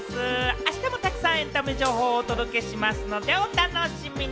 あしたもたくさんエンタメ情報をお届けしますのでお楽しみに。